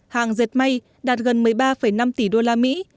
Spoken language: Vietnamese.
hàng dệt may đạt gần một mươi ba năm tỷ đô la mỹ